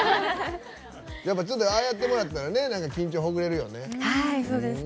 ちょっとああやってもらったら緊張ほぐれるよね。